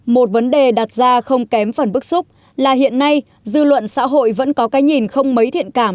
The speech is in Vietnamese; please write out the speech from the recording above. một vấn đề đặt ra không kém phần bức xúc là hiện nay dư luận xã hội vẫn có cái nhìn không mấy thiện cảm